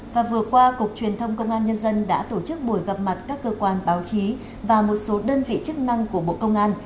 và vừa qua cục truyền thông công an nhân dân đã tổ chức buổi gặp mặt các cơ quan báo chí và một số đơn vị chức năng của bộ công an